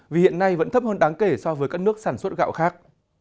vì hiện nay vẫn thấp hơn đáng kể so với các nước sản xuất gạo khác